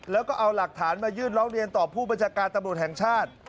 แล้วก็เอาหลักฐานมายื่นร้องเรียนต่อผู้บัญชาการตำรวจแห่งชาติ